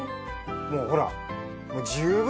もうほら。